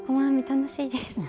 楽しいですよね。